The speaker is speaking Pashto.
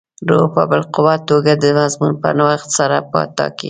روح په باالقوه توګه د مضمون په نوښت سره ټاکي.